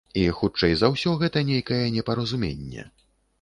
І, хутчэй за ўсё, гэта нейкае непаразуменне.